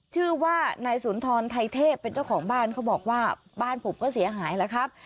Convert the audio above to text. ชื่อว่านายสุนทรไทยเทพเป็นเจ้าของบ้านเขาบอกว่าบ้านผมก็เสียหายแล้วครับ